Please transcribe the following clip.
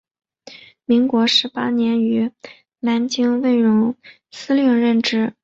民国十八年于南京卫戍司令任职。